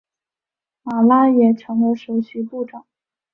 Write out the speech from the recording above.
马拉也成为首席部长。